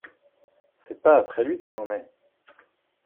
C’est pas après lui que j’en ai !